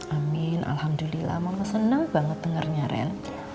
amin alhamdulillah mama senang banget dengarnya rel